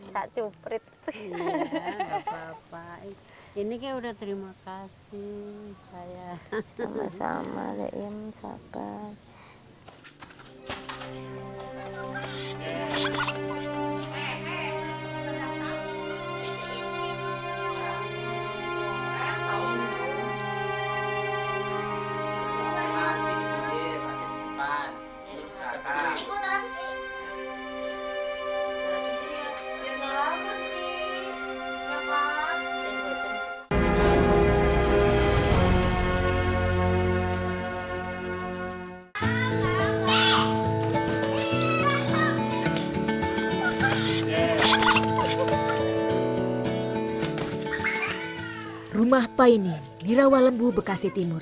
ya itu setiap bulannya bisa ngasih itu